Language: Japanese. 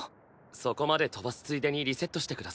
そこまで飛ばすついでにリセットして下さい。